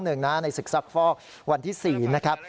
ในศึกซักฟอกวันที่๔นะครับ